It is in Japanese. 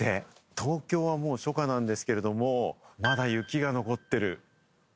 東京はもう初夏なんですけれども、まだ雪が残ってる。